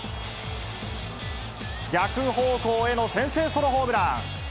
逆方向への先制ソロホームラン。